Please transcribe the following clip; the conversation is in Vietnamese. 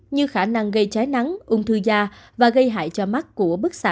như khả năng gây cháy nắng ung thư da và gây hại cho mắt của bức xạ